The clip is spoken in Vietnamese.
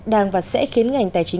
đang và sẽ khiến ngành tài chính